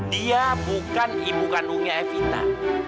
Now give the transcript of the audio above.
dia bukan ibu kandungnya evita